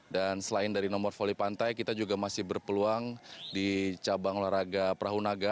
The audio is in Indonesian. dan selain dari nomor voli pantai kita juga masih berpeluang di cabang olahraga prahunaga